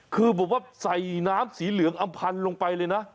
คือแบบว่าใส่น้ำสีเหลืองอำพันธ์ลงไปเลยนะ